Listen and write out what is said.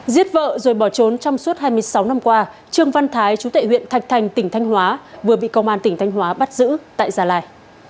giết vợ rồi bỏ trốn trong suốt hai mươi sáu năm qua trương văn thái chú tệ huyện thạch thành tỉnh thanh hóa vừa bị công an tỉnh thanh hóa bắt giữ tại gia lai